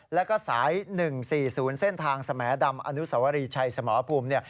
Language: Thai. แล้วก็สาย๑๔๐เส้นทางสมดำอนุสวรีชัยสมรภูมิเนี่ย